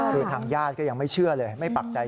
คือทางญาติก็ยังไม่เชื่อเลยไม่ปักใจ